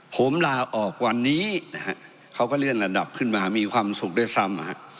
ผมลาออกวันนี้นะฮะเขาก็เลื่อนระดับขึ้นมามีความสุขด้วยซ้ำ